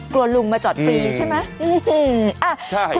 ลุงมาจอดฟรีใช่ไหม